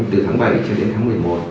từ tháng bảy cho đến tháng một mươi một